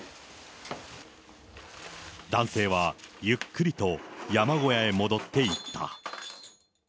男性はゆっくりと山小屋へ戻っていった。